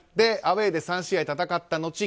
アウェーで３試合戦った後